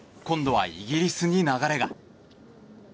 今度はイギリスに流れが。